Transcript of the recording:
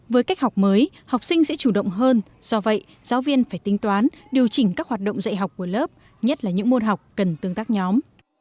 với cách học mới học sinh sẽ chủ động hơn do vậy giáo viên phải tính toán điều chỉnh các hoạt động dạy học của lớp nhất là những môn học cần tương tác nhóm